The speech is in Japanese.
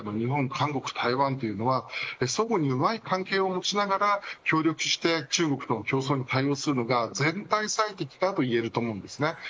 韓国、台湾は相互にうまい関係を持ちながら協力して中国の競争に対応するのが全体として適していると思います。